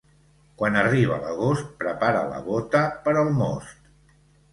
Quan arriba l'agost, prepara la bota per al most.